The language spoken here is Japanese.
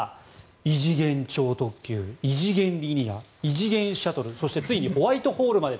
異次元超特急、異次元リニア異次元シャトルそして、ついにホワイトホールまで